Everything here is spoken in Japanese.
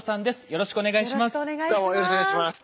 よろしくお願いします。